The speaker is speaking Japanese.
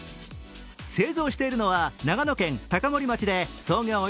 製造しているのは長野県高森町で創業